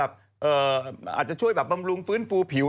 อาจจะช่วยแบบบำรุงฟื้นฟูผิว